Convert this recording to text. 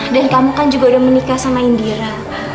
dan kamu kan juga udah menikah sama indira